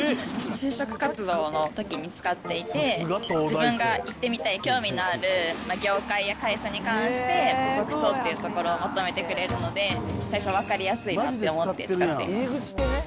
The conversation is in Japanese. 就職活動のときに使っていて、自分が行ってみたい、興味のある業界や会社に関して、特徴というところをまとめてくれるので、最初、分かりやすいなって思って使っています。